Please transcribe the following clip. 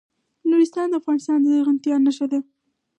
نورستان د افغانستان د زرغونتیا نښه ده.